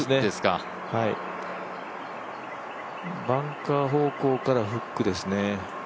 バンカー方向からフックですね。